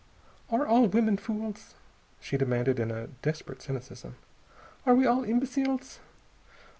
"Are all women fools?" she demanded in a desperate cynicism. "Are we all imbeciles?